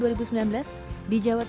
bantuan stimulan perumahan suadaya atau bsps